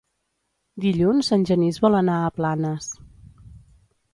Dilluns en Genís vol anar a Planes.